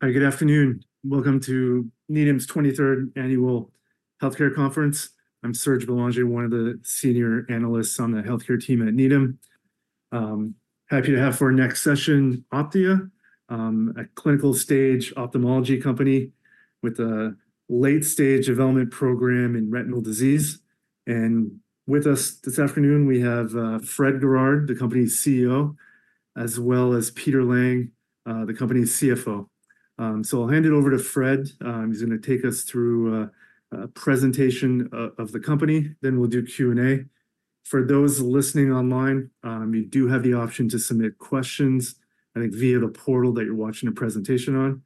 Hi, good afternoon. Welcome to Needham's 23rd Annual Healthcare Conference. I'm Serge Bélanger, one of the senior analysts on the healthcare team at Needham. Happy to have for our next session, Opthea, a clinical-stage ophthalmology company with a late-stage development program in retinal disease. And with us this afternoon, we have Fred Guerard, the company's CEO, as well as Peter Lang, the company's CFO. So I'll hand it over to Fred. He's gonna take us through a presentation of the company, then we'll do Q&A. For those listening online, you do have the option to submit questions, I think via the portal that you're watching the presentation on,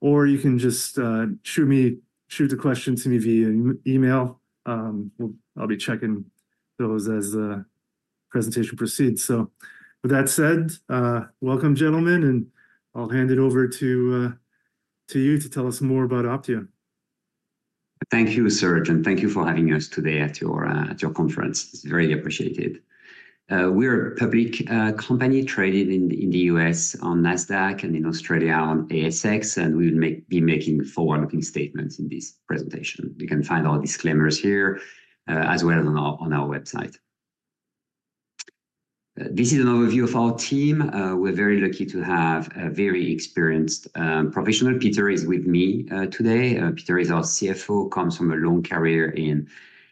or you can just shoot the question to me via email. We'll. I'll be checking those as the presentation proceeds. With that said, welcome, gentlemen, and I'll hand it over to you to tell us more about Opthea. Thank you, Serge, and thank you for having us today at your conference. It's very appreciated. We're a public company traded in the U.S. on Nasdaq and in Australia on ASX, and we'll be making forward-looking statements in this presentation. You can find all disclaimers here, as well as on our website. This is an overview of our team. We're very lucky to have a very experienced professional. Peter is with me today. Peter is our CFO, comes from a long career in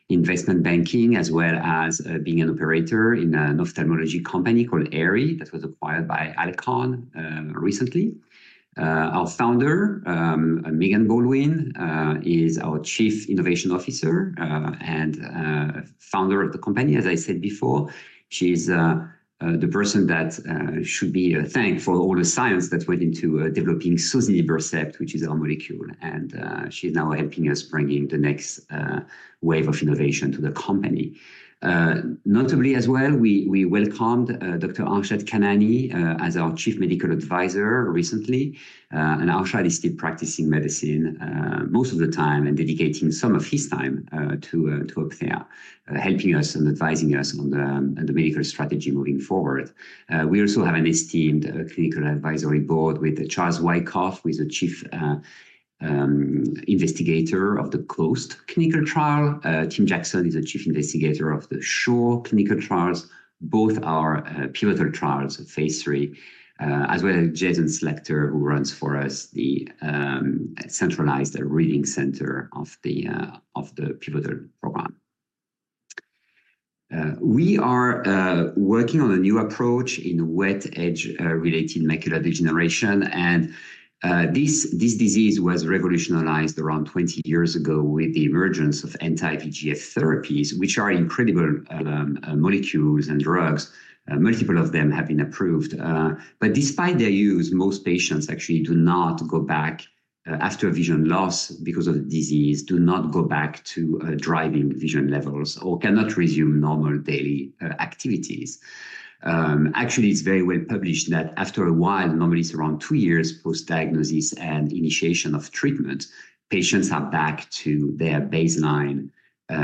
investment banking, as well as being an operator in an ophthalmology company called Aerie that was acquired by Alcon recently. Our founder, Megan Baldwin, is our Chief Innovation Officer and founder of the company. As I said before, she's the person that should be thanked for all the science that went into developing sozinibercept, which is our molecule, and she's now helping us bringing the next wave of innovation to the company. Notably as well, we welcomed Dr. Arshad Khanani as our chief medical advisor recently. And Arshad is still practicing medicine most of the time, and dedicating some of his time to Opthea, helping us and advising us on the medical strategy moving forward. We also have an esteemed clinical advisory board with Charles Wykoff, who is the chief investigator of the COAST clinical trial. Tim Jackson is the chief investigator of the ShORe clinical trials. Both are pivotal trials, phase 3, as well as Jason Slakter, who runs for us the centralized reading center of the pivotal program. We are working on a new approach in wet age-related macular degeneration, and this disease was revolutionized around 20 years ago with the emergence of anti-VEGF therapies, which are incredible molecules and drugs. Multiple of them have been approved. But despite their use, most patients actually do not go back after vision loss because of the disease, do not go back to driving vision levels or cannot resume normal daily activities. Actually, it's very well published that after a while, normally it's around two years post-diagnosis and initiation of treatment, patients are back to their baseline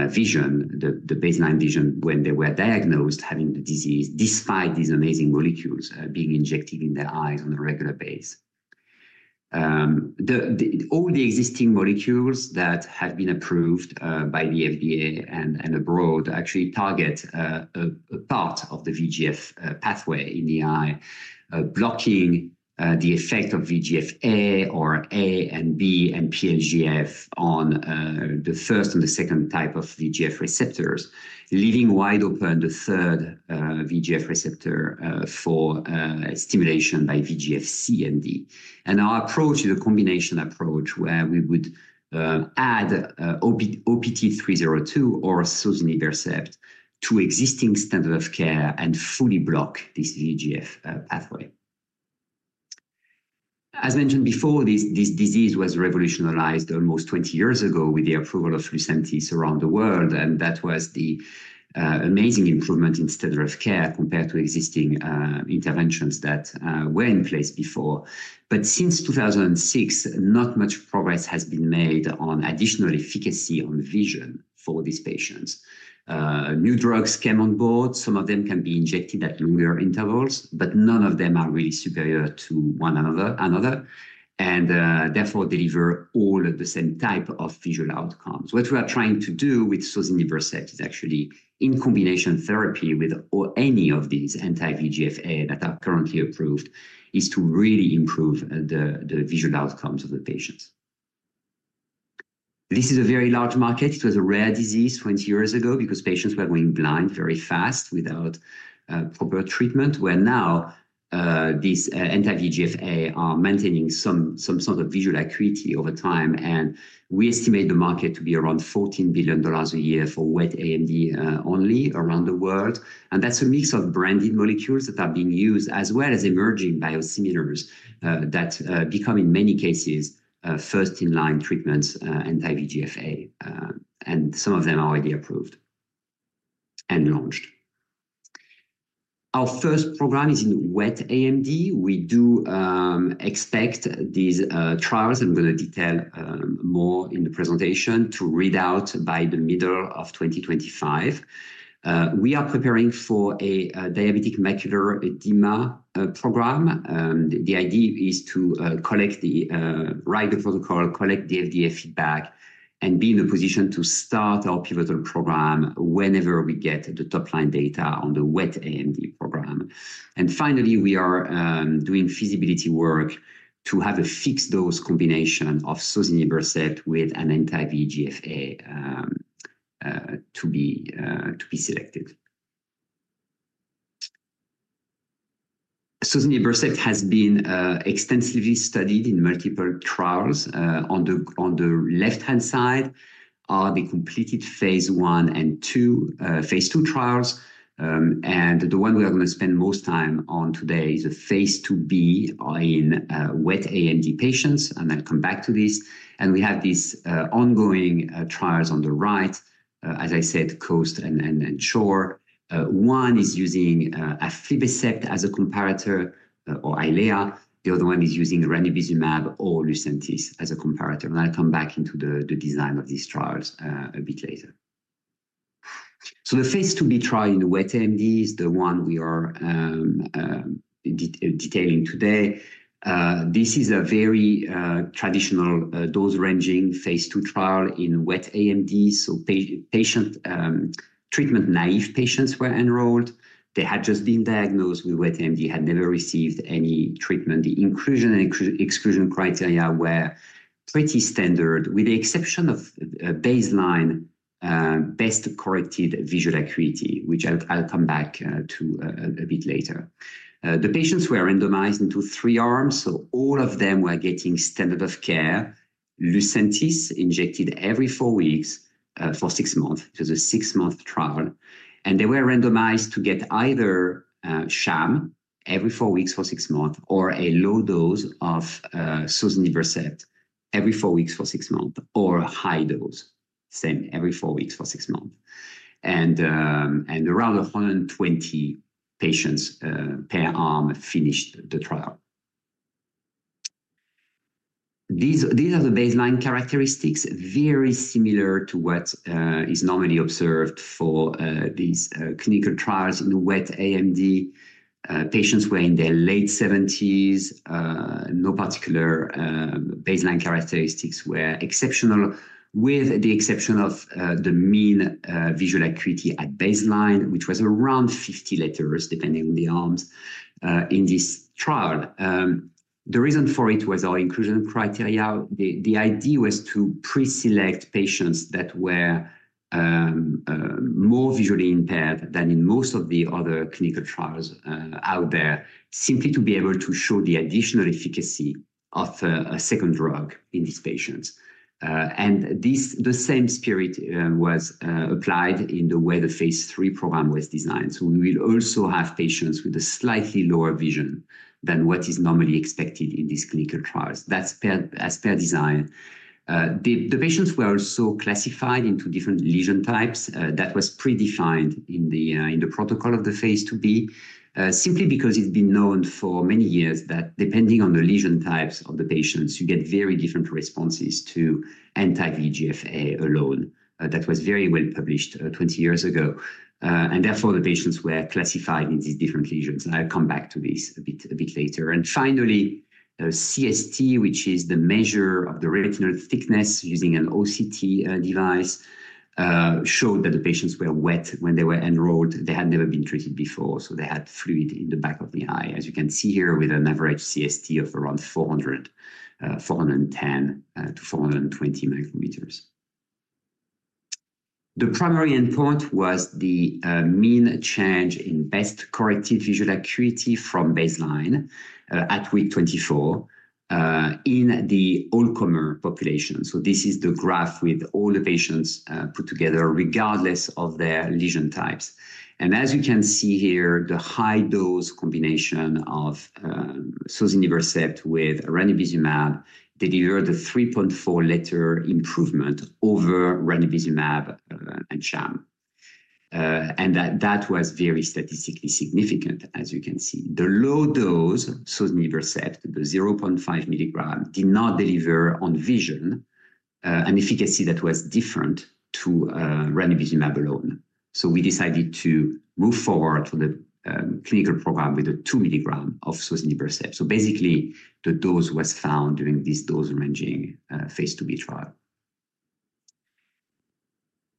vision, the baseline vision when they were diagnosed having the disease, despite these amazing molecules being injected in their eyes on a regular basis. All the existing molecules that have been approved by the FDA and abroad actually target a part of the VEGF pathway in the eye, blocking the effect of VEGF-A and B and PLGF on the first and the second type of VEGF receptors, leaving wide open the third VEGF receptor for stimulation by VEGF-C and D. Our approach is a combination approach where we would add OPT-302 or sozinibercept to existing standard of care and fully block this VEGF pathway. As mentioned before, this disease was revolutionized almost 20 years ago with the approval of Lucentis around the world, and that was the amazing improvement in standard of care compared to existing interventions that were in place before. But since 2006, not much progress has been made on additional efficacy on vision for these patients. New drugs came on board. Some of them can be injected at longer intervals, but none of them are really superior to one another, and therefore, deliver all of the same type of visual outcomes. What we are trying to do with sozinibercept is actually in combination therapy with or any of these anti-VEGF-A that are currently approved, is to really improve the visual outcomes of the patients. This is a very large market. It was a rare disease 20 years ago because patients were going blind very fast without proper treatment, where now these anti-VEGF-A are maintaining some sort of visual acuity over time, and we estimate the market to be around $14 billion a year for wet AMD only around the world. That's a mix of branded molecules that are being used, as well as emerging biosimilars that become, in many cases, first-line treatments, anti-VEGF-A, and some of them are already approved and launched.... Our first program is in wet AMD. We do expect these trials. I'm gonna detail more in the presentation to read out by the middle of 2025. We are preparing for a diabetic macular edema program. The idea is to write the protocol, collect the FDA feedback, and be in a position to start our pivotal program whenever we get the top-line data on the wet AMD program. Finally, we are doing feasibility work to have a fixed-dose combination of sozinibercept with an anti-VEGF-A to be selected. Sozinibercept has been extensively studied in multiple trials. On the left-hand side are the completed phase I and II trials. And the one we are gonna spend most time on today is a phase IIb in wet AMD patients, and I'll come back to this. We have these ongoing trials on the right, as I said, COAST and ShORe. One is using aflibercept as a comparator, or Eylea. The other one is using ranibizumab or Lucentis as a comparator, and I'll come back into the design of these trials a bit later. The phase IIb trial in wet AMD is the one we are detailing today. This is a very traditional dose-ranging phase II trial in wet AMD. Patient treatment-naive patients were enrolled. They had just been diagnosed with wet AMD, had never received any treatment. The inclusion and exclusion criteria were pretty standard, with the exception of baseline best corrected visual acuity, which I'll come back to a bit later. The patients were randomized into three arms, so all of them were getting standard of care Lucentis injected every 4 weeks for 6 months. It was a 6-month trial. They were randomized to get either sham every 4 weeks for 6 months, or a low dose of sozinibercept every 4 weeks for 6 months, or a high dose, same, every 4 weeks for 6 months. Around 120 patients per arm finished the trial. These are the baseline characteristics, very similar to what is normally observed for these clinical trials in wet AMD. Patients were in their late 70s. No particular baseline characteristics were exceptional, with the exception of the mean visual acuity at baseline, which was around 50 letters, depending on the arms in this trial. The reason for it was our inclusion criteria. The idea was to pre-select patients that were more visually impaired than in most of the other clinical trials out there, simply to be able to show the additional efficacy of a second drug in these patients. And this- the same spirit was applied in the way the phase III program was designed. We will also have patients with a slightly lower vision than what is normally expected in these clinical trials. That's as per design. The patients were also classified into different lesion types. That was predefined in the protocol of the phase IIb, simply because it's been known for many years that depending on the lesion types of the patients, you get very different responses to anti-VEGF-A alone. That was very well published 20 years ago. And therefore, the patients were classified in these different lesions, and I'll come back to this a bit later. And finally, CST, which is the measure of the retinal thickness using an OCT device, showed that the patients were wet when they were enrolled. They had never been treated before, so they had fluid in the back of the eye, as you can see here, with an average CST of around 410-420 micrometers. The primary endpoint was the mean change in best-corrected visual acuity from baseline at week 24 in the all-comer population. So this is the graph with all the patients put together, regardless of their lesion types. And as you can see here, the high dose combination of sozinibercept with ranibizumab delivered a 3.4-letter improvement over ranibizumab and sham. And that was very statistically significant, as you can see. The low dose sozinibercept, the 0.5 milligram, did not deliver on vision an efficacy that was different to ranibizumab alone. So we decided to move forward with the clinical program with a 2 milligram of sozinibercept. So basically, the dose was found during this dose-ranging phase IIb trial.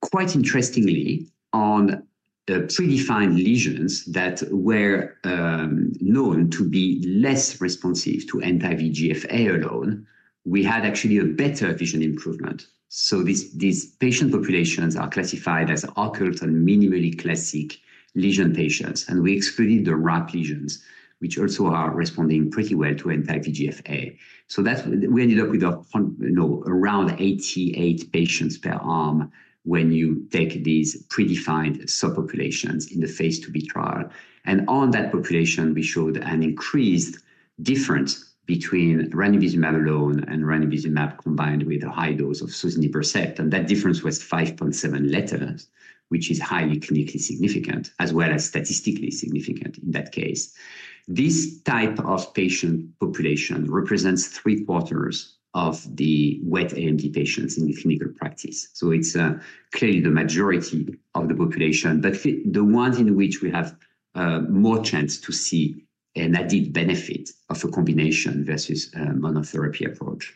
Quite interestingly, on the predefined lesions that were known to be less responsive to anti-VEGF-A alone, we had actually a better vision improvement. So these, these patient populations are classified as occult and minimally classic lesion patients, and we excluded the RAP lesions, which also are responding pretty well to anti-VEGF-A. So we ended up with, you know, around 88 patients per arm when you take these predefined subpopulations in the phase IIb trial. And on that population, we showed an increased difference between ranibizumab alone and ranibizumab combined with a high dose of sozinibercept, and that difference was 5.7 letters, which is highly clinically significant, as well as statistically significant in that case. This type of patient population represents three-quarters of the wet AMD patients in the clinical practice. So it's clearly the majority of the population, but for the ones in which we have more chance to see an added benefit of a combination versus monotherapy approach.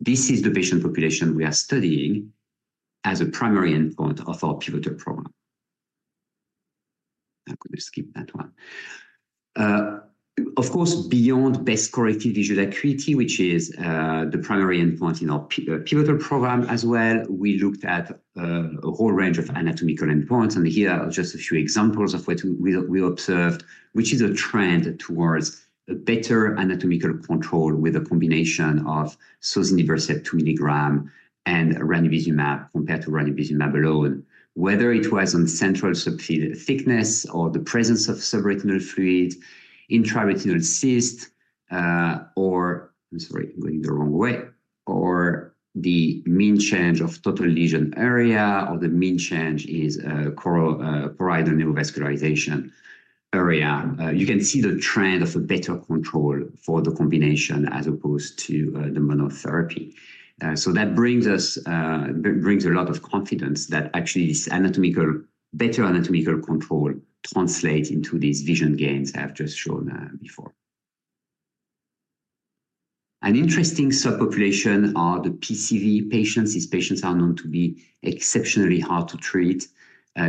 This is the patient population we are studying as a primary endpoint of our pivotal program. I'm going to skip that one. Of course, beyond best-corrected visual acuity, which is the primary endpoint in our pivotal program as well, we looked at a whole range of anatomical endpoints. And here are just a few examples of what we observed, which is a trend towards a better anatomical control with a combination of sozinibercept 2 mg and ranibizumab compared to ranibizumab alone. Whether it was on central subfield thickness or the presence of subretinal fluid, intraretinal cyst, or—I'm sorry, I'm going the wrong way. Or the mean change of total lesion area, or the mean change is choroidal neovascularization area. You can see the trend of a better control for the combination as opposed to the monotherapy. So that brings us brings a lot of confidence that actually this anatomical- better anatomical control translate into these vision gains I have just shown before. An interesting subpopulation are the PCV patients. These patients are known to be exceptionally hard to treat.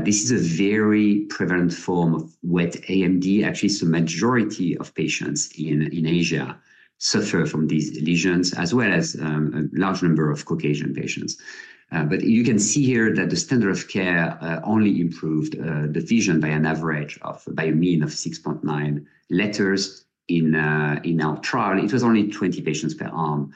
This is a very prevalent form of wet AMD. Actually, so majority of patients in Asia suffer from these lesions, as well as a large number of Caucasian patients. But you can see here that the standard of care only improved the vision by an average of, by a mean of 6.9 letters in our trial. It was only 20 patients per arm.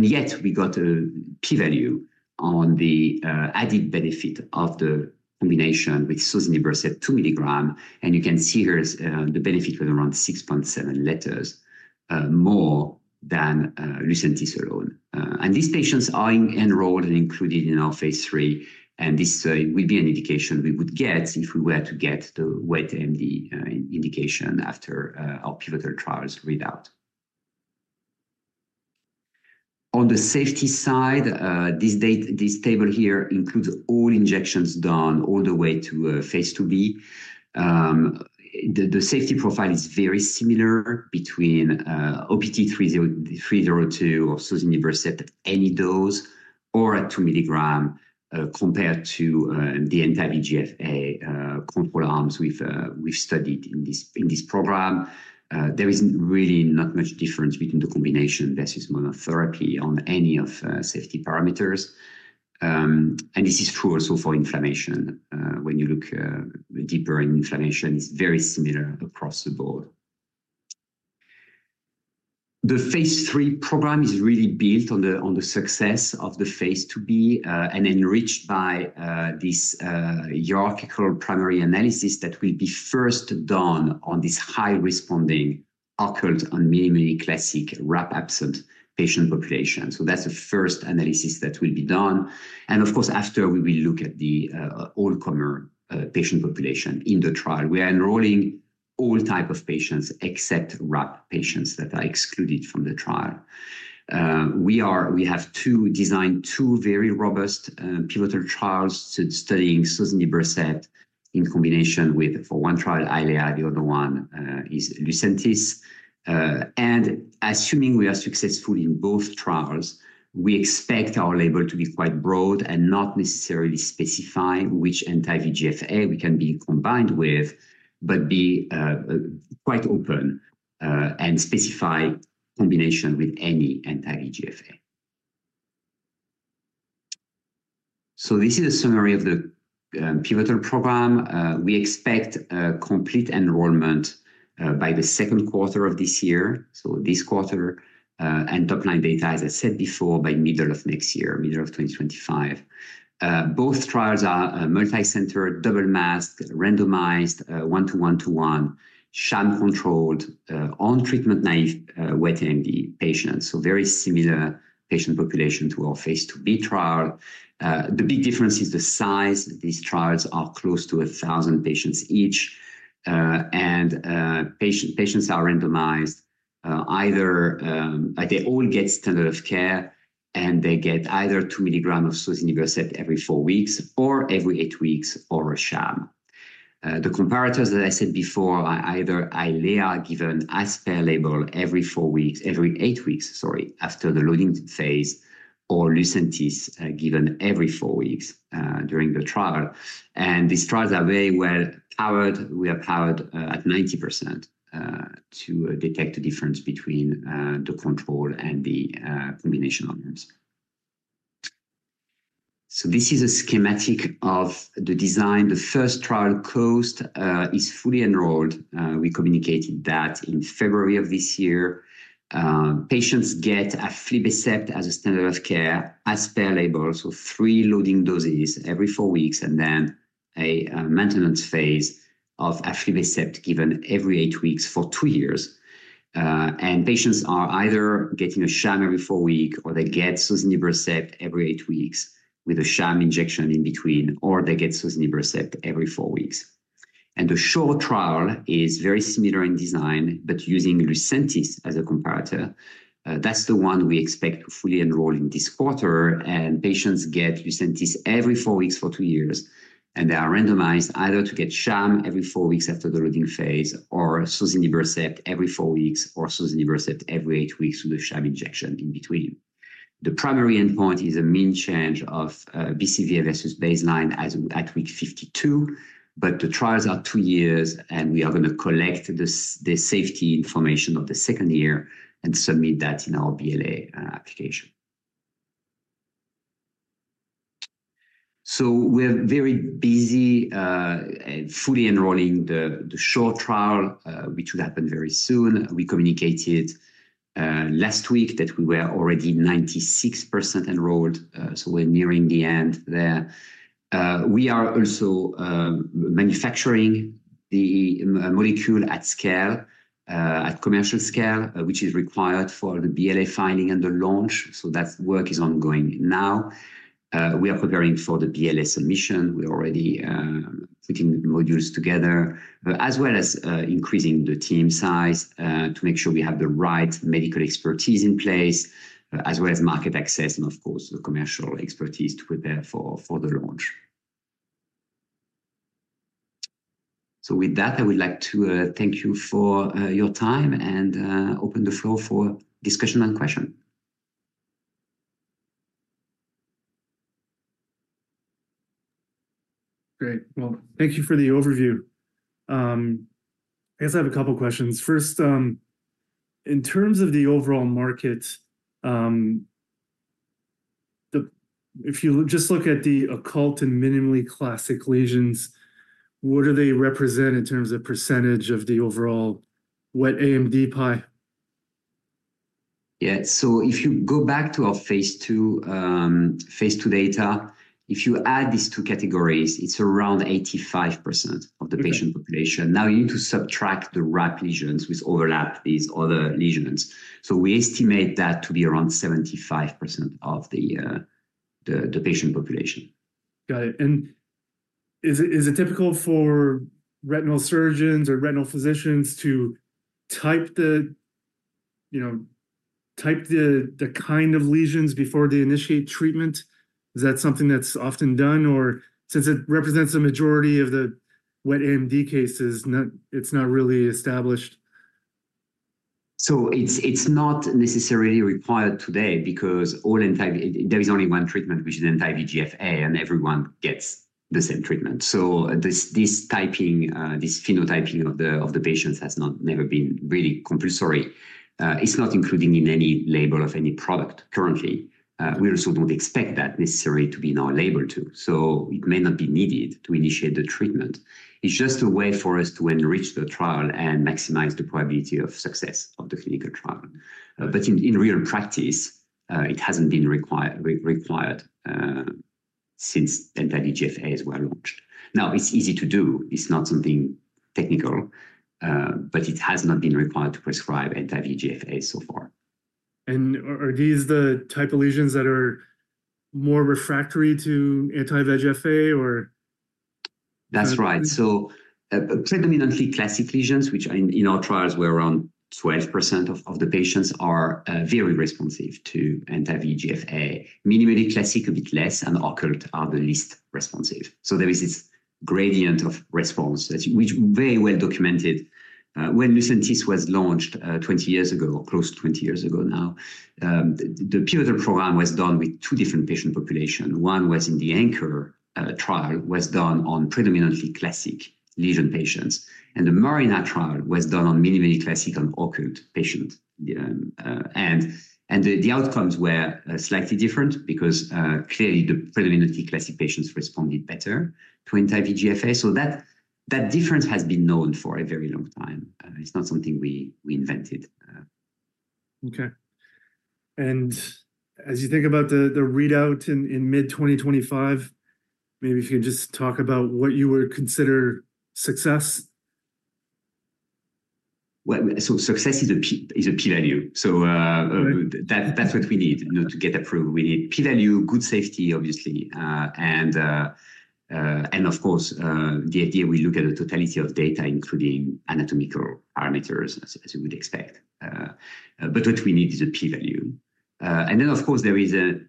Yet, we got a p-value on the added benefit of the combination with sozinibercept 2 milligram, and you can see here is the benefit was around 6.7 letters more than Lucentis alone. And these patients are enrolled and included in our phase 3, and this will be an indication we would get if we were to get the wet AMD indication after our pivotal trials readout. On the safety side, this table here includes all injections done all the way to phase 2B. The safety profile is very similar between OPT-302 or sozinibercept at any dose or at 2 milligrams compared to the anti-VEGF-A control arms we've studied in this program. There is really not much difference between the combination versus monotherapy on any of safety parameters. And this is true also for inflammation. When you look deeper in inflammation, it's very similar across the board. The phase 3 program is really built on the success of the phase 2B and enriched by this hierarchical primary analysis that will be first done on this high-responding occult and minimally classic RAP-absent patient population. So that's the first analysis that will be done. And of course, after we will look at the all-comer patient population in the trial. We are enrolling all types of patients except RAP patients that are excluded from the trial. We have two designs, two very robust pivotal trials studying sozinibercept in combination with, for one trial, Eylea, the other one is Lucentis. And assuming we are successful in both trials, we expect our label to be quite broad and not necessarily specify which anti-VEGF-A we can be combined with, but be quite open and specify combination with any anti-VEGF-A. So this is a summary of the pivotal program. We expect a complete enrollment by the second quarter of this year, so this quarter, and top-line data, as I said before, by middle of next year, middle of 2025. Both trials are multicenter, double-masked, randomized 1-to-1-to-1, sham-controlled on treatment-naïve wet AMD patients. So very similar patient population to our phase 2B trial. The big difference is the size. These trials are close to 1,000 patients each, and patients are randomized either. They all get standard of care, and they get either 2 milligrams of sozinibercept every 4 weeks or every 8 weeks or a sham. The comparators, as I said before, are either Eylea, given as per label every 4 weeks - every 8 weeks, sorry, after the loading phase, or Lucentis, given every 4 weeks during the trial. And these trials are very well powered. We are powered at 90% to detect the difference between the control and the combination arms. So this is a schematic of the design. The first trial, COAST, is fully enrolled. We communicated that in February of this year. Patients get aflibercept as a standard of care, as per label, so 3 loading doses every 4 weeks, and then a maintenance phase of aflibercept given every 8 weeks for 2 years. And patients are either getting a sham every 4 weeks, or they get sozinibercept every 8 weeks with a sham injection in between, or they get sozinibercept every 4 weeks. And the ShORe trial is very similar in design, but using Lucentis as a comparator. That's the one we expect to fully enroll in this quarter, and patients get Lucentis every 4 weeks for 2 years, and they are randomized either to get sham every 4 weeks after the loading phase, or sozinibercept every 4 weeks, or sozinibercept every 8 weeks with a sham injection in between. The primary endpoint is a mean change of BCV versus baseline as at week 52, but the trials are 2 years, and we are gonna collect the safety information of the second year and submit that in our BLA application. So we're very busy fully enrolling the ShORe trial, which will happen very soon. We communicated last week that we were already 96% enrolled, so we're nearing the end there. We are also manufacturing the molecule at scale at commercial scale, which is required for the BLA filing and the launch, so that work is ongoing now. We are preparing for the BLA submission. We're already putting modules together, as well as increasing the team size, to make sure we have the right medical expertise in place, as well as market access, and of course, the commercial expertise to prepare for the launch. So with that, I would like to thank you for your time and open the floor for discussion and question. Great. Well, thank you for the overview. I guess I have a couple questions. First, in terms of the overall market, if you just look at the occult and minimally classic lesions, what do they represent in terms of percentage of the overall wet AMD pie? Yeah. So if you go back to our phase two, phase two data, if you add these two categories, it's around 85%- Okay... of the patient population. Now, you need to subtract the RAP lesions which overlap these other lesions. So we estimate that to be around 75% of the patient population. Got it. And is it typical for retinal surgeons or retinal physicians to type the, you know, the kind of lesions before they initiate treatment? Is that something that's often done, or since it represents a majority of the wet AMD cases, not, it's not really established? So it's not necessarily required today because all anti- there is only one treatment, which is anti-VEGF-A, and everyone gets the same treatment. So this, this typing, this phenotyping of the, of the patients has never been really compulsory. It's not included in any label of any product currently. We also don't expect that necessarily to be in our label, too. So it may not be needed to initiate the treatment. It's just a way for us to enrich the trial and maximize the probability of success of the clinical trial. But in real practice, it hasn't been required since anti-VEGF-A was well launched. Now, it's easy to do. It's not something technical, but it has not been required to prescribe anti-VEGF-A so far. And are these the type of lesions that are more refractory to anti-VEGF-A, or? That's right. So, predominantly classic lesions, which in our trials were around 12% of the patients, are very responsive to anti-VEGF-A. Minimally classic, a bit less, and occult are the least responsive. So there is this gradient of response that which very well documented. When Lucentis was launched, 20 years ago, or close to 20 years ago now, the pivotal program was done with two different patient population. One was in the ANCHOR trial, was done on predominantly classic lesion patients, and the MARINA trial was done on minimally classic and occult patient. And the outcomes were slightly different because clearly, the predominantly classic patients responded better to anti-VEGF-A. So that difference has been known for a very long time. It's not something we invented. Okay. And as you think about the readout in mid 2025, maybe if you could just talk about what you would consider success? Well, so success is a p-value. So, Right... that's what we need. You know, to get approved, we need p-value, good safety, obviously, and of course, the idea we look at the totality of data, including anatomical parameters, as you would expect. But what we need is a p-value. And then, of course, there is a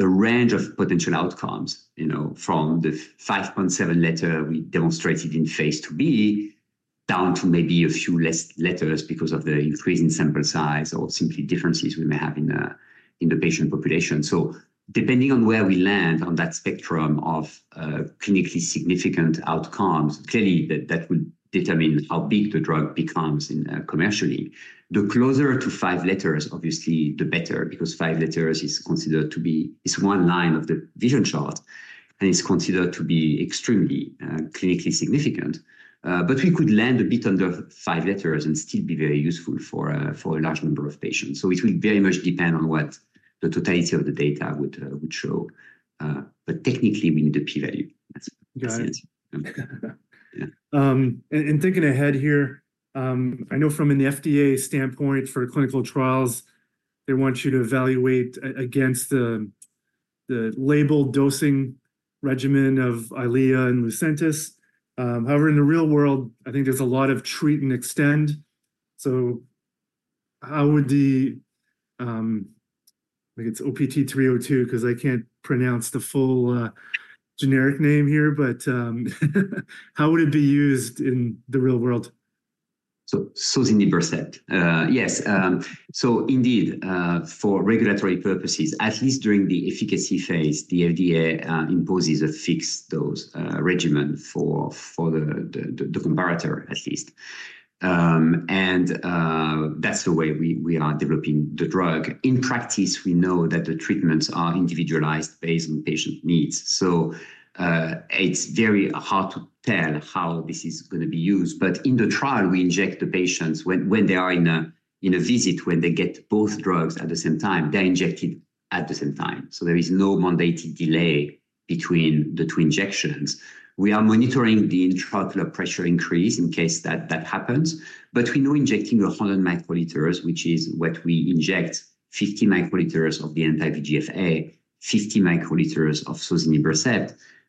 range of potential outcomes, you know, from the 5.7 letter we demonstrated in phase 2B, down to maybe a few less letters because of the increase in sample size or simply differences we may have in the patient population. So depending on where we land on that spectrum of clinically significant outcomes, clearly, that will determine how big the drug becomes commercially. The closer to five letters, obviously, the better, because five letters is considered to be—it's one line of the vision chart, and it's considered to be extremely clinically significant. But we could land a bit under five letters and still be very useful for a large number of patients. So it will very much depend on what the totality of the data would show, but technically, we need a p-value. That's- Got it. Yeah. Thinking ahead here, I know from the FDA standpoint for clinical trials, they want you to evaluate against the label dosing regimen of Eylea and Lucentis. However, in the real world, I think there's a lot of treat and extend. So how would, like it's OPT-302, 'cause I can't pronounce the full generic name here, but how would it be used in the real world? So sozinibercept. Yes. So indeed, for regulatory purposes, at least during the efficacy phase, the FDA imposes a fixed dose regimen for the comparator, at least. And that's the way we are developing the drug. In practice, we know that the treatments are individualized based on patient needs. So it's very hard to tell how this is gonna be used. But in the trial, we inject the patients when they are in a visit, when they get both drugs at the same time, they're injected at the same time. So there is no mandated delay between the two injections. We are monitoring the intraocular pressure increase in case that happens. But we know injecting 100 microliters, which is what we inject, 50 microliters of the anti-VEGF-A, 50 microliters of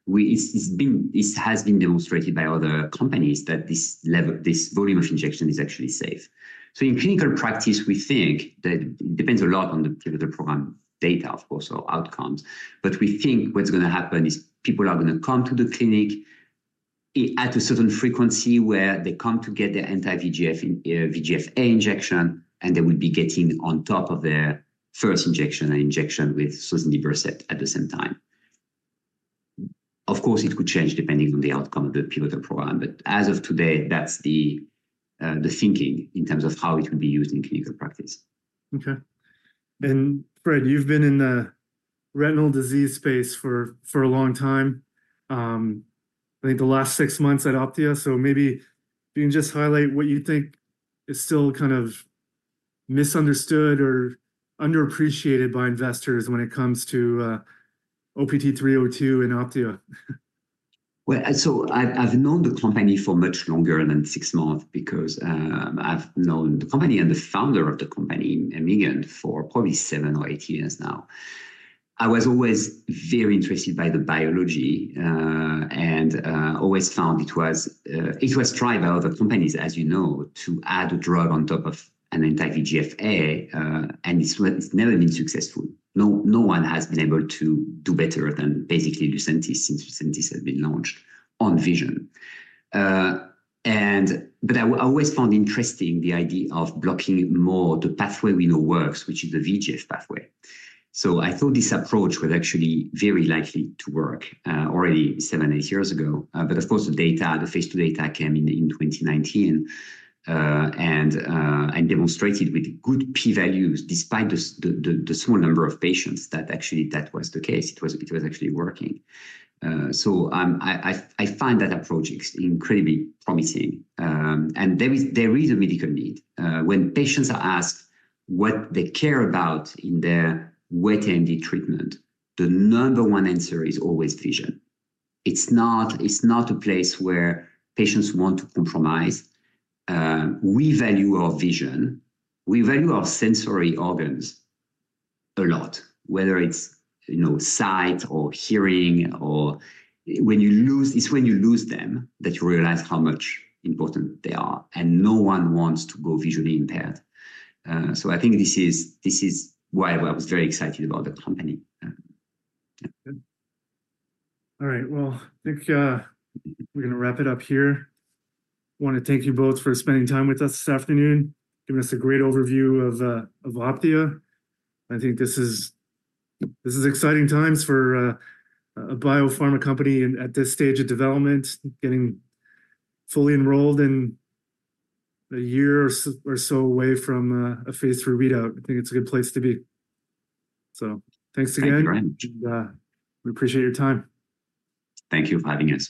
sozinibercept—it's been demonstrated by other companies that this level, this volume of injection is actually safe. So in clinical practice, we think that depends a lot on the pivotal program data, of course, or outcomes. But we think what's gonna happen is people are gonna come to the clinic at a certain frequency, where they come to get their anti-VEGF VEGF-A injection, and they will be getting on top of their first injection, an injection with sozinibercept at the same time. Of course, it could change depending on the outcome of the pivotal program, but as of today, that's the thinking in terms of how it will be used in clinical practice. Okay. Fred, you've been in the retinal disease space for a long time. I think the last 6 months at Opthea. Maybe if you can just highlight what you think is still kind of misunderstood or underappreciated by investors when it comes to OPT-302 and Opthea. Well, so I've known the company for much longer than six months because I've known the company and the founder of the company, Megan, for probably seven or eight years now. I was always very interested by the biology, and always found it was tried by other companies, as you know, to add a drug on top of an anti-VEGF-A, and it's never been successful. No one has been able to do better than basically Lucentis since Lucentis has been launched on vision. But I always found interesting the idea of blocking more the pathway we know works, which is the VEGF pathway. So I thought this approach was actually very likely to work already seven, eight years ago. But of course, the data, the phase II data came in, in 2019. And demonstrated with good P values, despite the small number of patients, that actually, that was the case. It was, it was actually working. So, I find that approach incredibly promising. And there is a medical need. When patients are asked what they care about in their wet AMD treatment, the number one answer is always vision. It's not a place where patients want to compromise. We value our vision, we value our sensory organs a lot, whether it's, you know, sight or hearing or... When you lose them, it's when you lose them, that you realize how much important they are, and no one wants to go visually impaired. So I think this is why I was very excited about the company. Yeah. Good. All right, well, I think we're gonna wrap it up here. I wanna thank you both for spending time with us this afternoon, giving us a great overview of Opthea. I think this is exciting times for a biopharma company at this stage of development, getting fully enrolled in a year or so away from a phase 3 readout. I think it's a good place to be. So thanks again. Thank you, Brian. We appreciate your time. Thank you for having us.